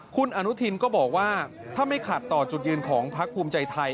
คุณอนุทินก็บอกว่าถ้าไม่ขัดต่อจุดยืนของพักภูมิใจไทย